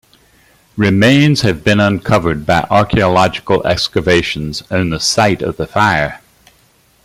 Remains have been uncovered by archaeological excavations on the site of the fire.